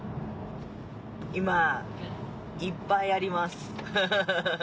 今いっぱいありますフフフ。